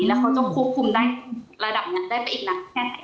แล้วเขาจะควบคุมได้ระดับนั้นได้ไปอีกนานแค่ไหน